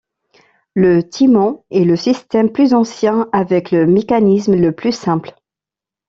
Le timon est le système plus ancien avec le mécanisme le plus simple.